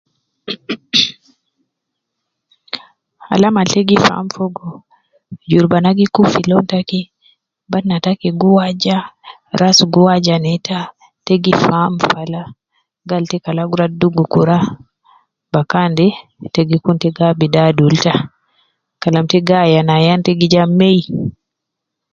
Mh mh mh,alama al ya gi faham fogo, jurubana gi kub fi lon taki, batna taki gi waja ,ras gi waja neta, te gi faham kala gal ta kala gu ruwa dugu kura bakan de te gi kun ta gi abidu adul ita ,Kalam ta gi ayan ayan ta gi ja mei.